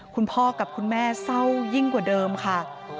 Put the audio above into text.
คุณพ่อกับคุณแม่เศร้ายิ่งกว่าเดิมค่ะ